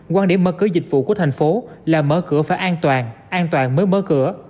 quan điểm mở cửa dịch vụ của thành phố là mở cửa phải an toàn an toàn mới mở cửa